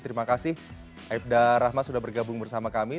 terima kasih aibda rahmat sudah bergabung bersama kami